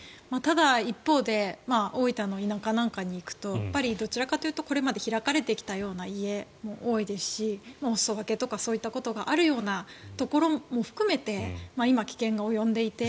一方で大分の田舎なんかに行くとどちらかというとこれまで開かれてきた家が多いですしお裾分けとかそういったことがあるようなところも含めて今、危険が及んでいて。